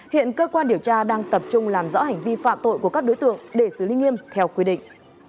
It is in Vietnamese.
hiện cơ quan điều tra đang tập trung làm rõ hành vi phạm tội của các đối tượng để xử lý nghiêm theo quy định